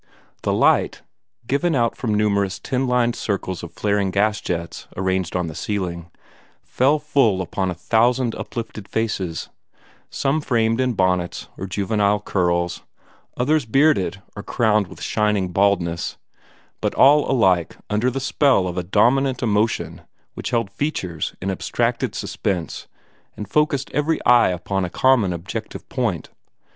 The light, given out from numerous tin lined circles of flaring gas jets arranged on the ceiling, fell full upon a thousand uplifted faces some framed in bonnets or juvenile curls, others bearded or crowned with shining baldness but all alike under the spell of a dominant emotion which held features in abstracted suspense and focussed every eye upon a common objective point.